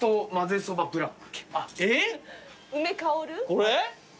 これ？